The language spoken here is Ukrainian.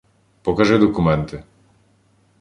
Покажи документи!